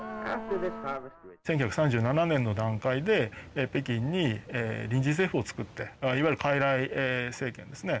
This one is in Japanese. １９３７年の段階で北京に臨時政府をつくっていわゆる傀儡政権ですね。